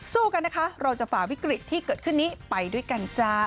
สู้กันนะคะเราจะฝ่าวิกฤตที่เกิดขึ้นนี้ไปด้วยกันจ้า